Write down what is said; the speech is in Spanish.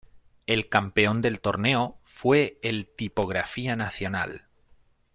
El campeón del torneo fue el Tipografía Nacional.